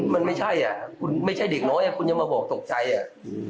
มันไม่ใช่อ่ะคุณไม่ใช่เด็กน้อยอ่ะคุณยังมาบอกตกใจอ่ะ